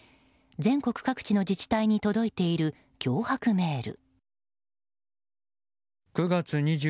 全国各地の自治体に届いている脅迫メール。